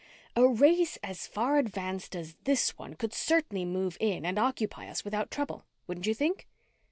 A race as far advanced as this one could certainly move in and occupy us without trouble. Wouldn't you think?"